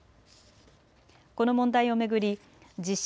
この問題を巡り実施